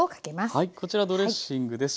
はいこちらドレッシングです。